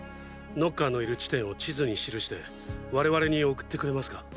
ノッカーのいる地点を地図に記して我々に送ってくれますか？